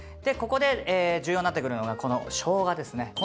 でここで重要になってくるのがこのしょうがですね。